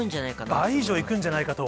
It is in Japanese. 倍以上いくんじゃないかと。